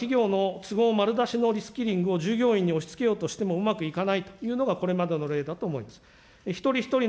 企業が企業の都合丸出しのリ・スキリングを従業員に押しつけようとしてもうまくいかないというのがこれまでの例だと思います。